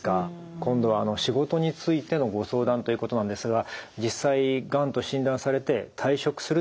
今度は仕事についてのご相談ということなんですが実際がんと診断されて退職するっていうケースは多いんでしょうか？